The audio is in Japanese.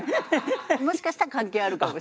もしかしたら関係あるかもしれない。